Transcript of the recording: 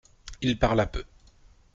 Il parla peu.